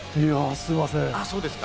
すみません。